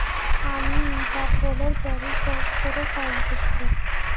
আমি ইন্টারপোলের প্যারিস দপ্তরে সংযুক্ত।